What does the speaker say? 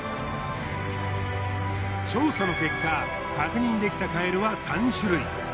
調査の結果確認できたカエルは３種類。